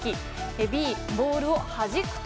Ｂ、ボールをはじく時。